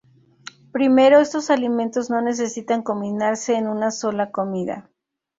Primero, estos alimentos no necesitan combinarse en una sola comida.